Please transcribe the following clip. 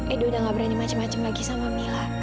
edo udah nggak berani macem macem lagi sama mila